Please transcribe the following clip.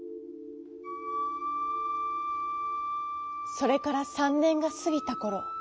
それから３ねんがすぎたころ。